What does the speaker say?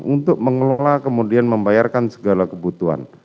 untuk mengelola kemudian membayarkan segala kebutuhan